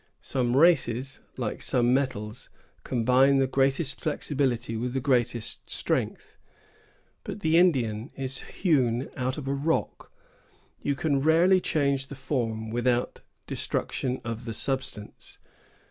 Some races, like some metals, combine the greatest flexibility with the greatest strength. But the Indian is hewn out of a rock. You can rarely change the form without destruction of the substance.